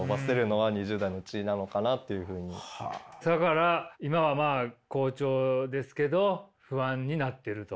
だから今はまあ好調ですけど不安になってると。